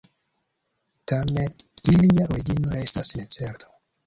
Tamen, ilia origino restas necerta.